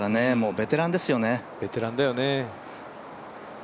ベテランですね。